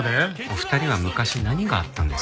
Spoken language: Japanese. お二人は昔何があったんですか？